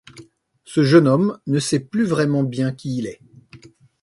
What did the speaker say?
Ce jeune homme ne sait plus vraiment bien qui il est.